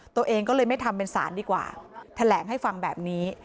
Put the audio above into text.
ตัวเองก็เลยไม่ทำเป็นศาลดีกว่าแถลงให้ฟังแบบนี้